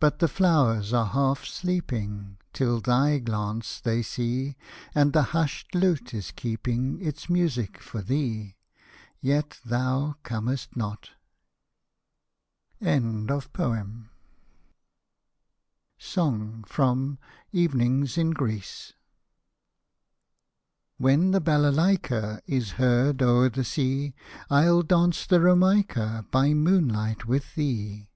But the flowers are half sleeping Till thy glance they see ; And the hushed lute is keeping Its music for thee. Yet, thou comest not ! SONG (FROM '' EVENINGS IN GREECE"; When the Balaika Is heard o'er the sea, I'll dance the Romaika By moonlight with thee.